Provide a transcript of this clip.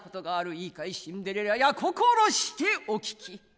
いいかいシンデレラや心してお聞き。